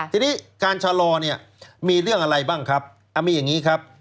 ทีนี้การชะลอเนี่ยมีเรื่องอะไรบ้างครับมีอย่างนี้ครับ